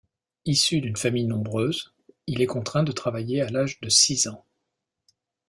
Issu d'une famille nombreuse, il est contraint de travailler à l'âge de six ans.